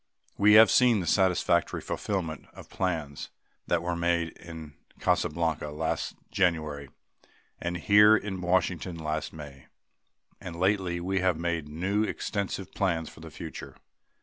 We have seen the satisfactory fulfillment of plans that were made in Casablanca last January and here in Washington last May. And lately we have made new, extensive plans for the future.